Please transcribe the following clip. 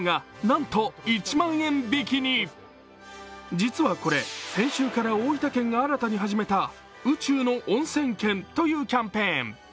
実はこれ先週から大分県で始めた宇宙のオンセン県というキャンペーン。